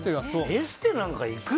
エステなんか行く？